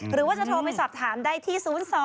หรือว่าจะโทรไปสอบถามได้ที่๐๒